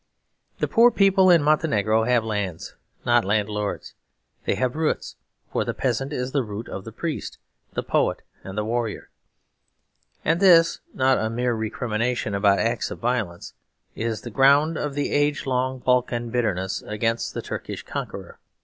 The poor people in Montenegro have lands not landlords. They have roots; for the peasant is the root of the priest, the poet, and the warrior. And this, and not a mere recrimination about acts of violence, is the ground of the age long Balkan bitterness against the Turkish conqueror.